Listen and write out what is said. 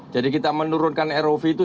jadi kita menurunkan rov itu